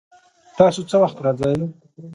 تاسو څه وخت راځئ؟